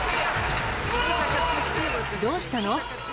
どうしたの？